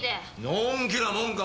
のんきなもんか。